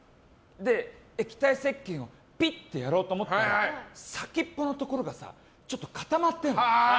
液体せっけんをピッてやろうと思ったら先っぽのところがちょっと固まってるの。